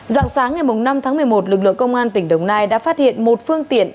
dạng sáng ngày năm tháng một mươi một lực lượng công an tỉnh đồng nai đã phát hiện một phương tiện